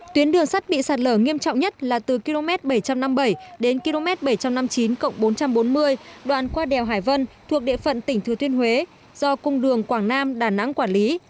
tuyến đường sắt bị sạt lở nghiêm trọng nhất là từ km bảy trăm năm mươi bảy đến km bảy trăm năm mươi chín bốn trăm bốn mươi đoạn qua đèo hải vân thuộc địa phận tỉnh thừa thiên huế do cung đường quảng nam đà nẵng quản lý